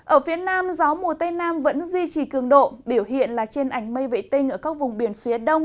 ở phía nam gió mùa tây nam vẫn duy trì cường độ biểu hiện là trên ảnh mây vệ tinh ở các vùng biển phía đông